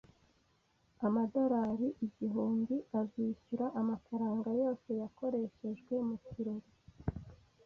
Amadolari igihumbi azishyura amafaranga yose yakoreshejwe mu kirori